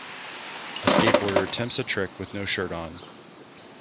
A skateboarder attempts a trick with no shirt on.